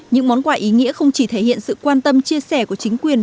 những món quà ý nghĩa không chỉ thể hiện sự quan tâm chia sẻ của chính quyền